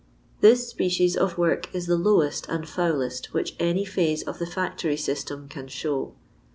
This species of work is the lowest and foulest which any phase of the fiictory system can show.